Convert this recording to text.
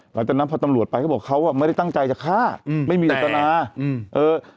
หลังจากนั้นพอตำรวจไปเขาบอกเขาอ่ะไม่ได้ตั้งใจจะฆ่าอืมไม่มีเจตนาอืมเออ